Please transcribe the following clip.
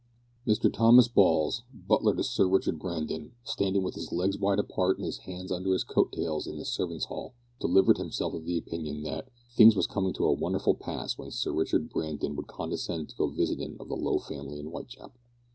Mr Thomas Balls, butler to Sir Richard Brandon, standing with his legs wide apart and his hands under his coat tails in the servants' hall, delivered himself of the opinion that "things was comin' to a wonderful pass when Sir Richard Brandon would condescend to go visitin' of a low family in Whitechapel."